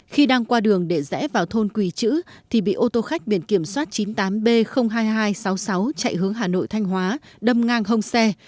khi đang qua đường để rẽ vào thôn quỳ chữ thì bị ô tô khách biển kiểm soát chín mươi tám b hai nghìn hai trăm sáu mươi sáu chạy hướng hà nội thanh hóa đâm ngang hông xe